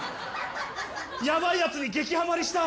ヤバいやつに激はまりした。